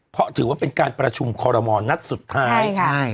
เพราะถือว่าเป็นการประชุมคอรมอลนัดสุดท้ายใช่